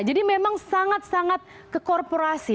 jadi memang sangat sangat kekorporasi